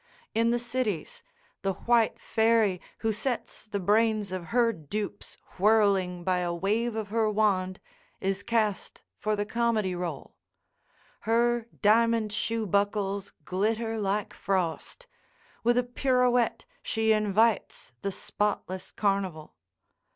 In the cities, the white fairy who sets the brains of her dupes whirling by a wave of her wand is cast for the comedy role. Her diamond shoe buckles glitter like frost; with a pirouette she invites the spotless carnival.